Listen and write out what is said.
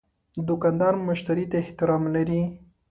دوکاندار مشتری ته احترام لري.